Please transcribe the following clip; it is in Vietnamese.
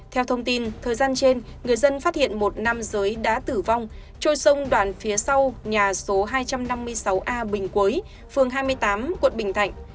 theo thông tin thời gian trên người dân phát hiện một nam giới đã tử vong trôi sông đoạn phía sau nhà số hai trăm năm mươi sáu a bình quế phường hai mươi tám quận bình thạnh